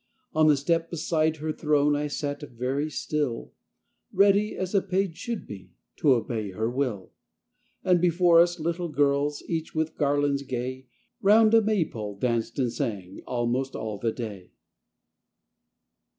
On the step beside her throne I sat very still, Ready, as a page should be, To obey her will. And before us little girls, Each with garlands gay, Round a May pole danced and sang Almost all the day.